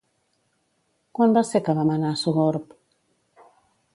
Quan va ser que vam anar a Sogorb?